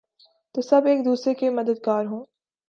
تو سب ایک دوسرے کے مددگار ہوں۔